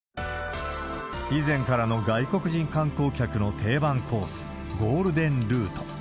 以前からの外国人観光客の定番コース、ゴールデンルート。